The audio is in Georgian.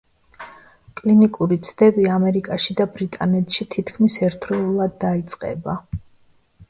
კლინიკური ცდები ამერიკაში და ბრიტანეთში თითქმის ერთდროულად დაიწყება.